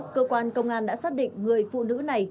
cơ quan công an đã xác định người phụ nữ này